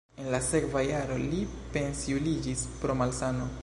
En la sekva jaro li pensiuliĝis pro malsano.